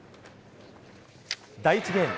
第１ゲーム。